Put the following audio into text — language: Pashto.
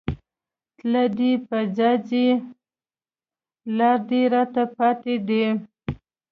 تله دې په ځائے، لا دې راتله پاتې دي